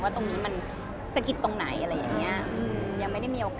ตรงนี้มันสะกิดตรงไหนอะไรอย่างเงี้ยยังไม่ได้มีโอกาส